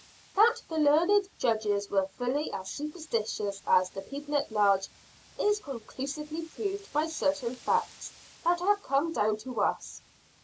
That the learned Judges were fully as superstitious as the people at large, is conclusively proved by certain facts that have come down to us.